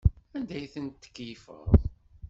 Anda ay ten-tkeyyfeḍ?